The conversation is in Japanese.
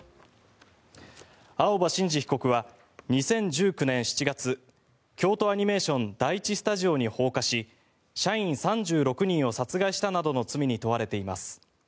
青葉真司被告は２０１９年７月京都アニメーション第１スタジオに放火し社員３６人を殺害したなどの罪に問われています。